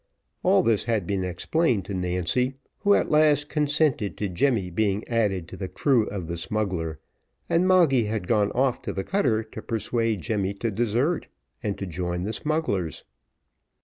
All this had been explained to Nancy, who at last consented to Jemmy being added to the crew of the smuggler, and Moggy had gone off to the cutter to persuade Jemmy to desert, and to join the smugglers.